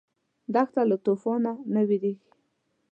دښته له توفانه نه وېرېږي.